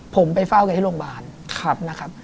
ผมไปเฝ้าแกที่โรงพยาบาล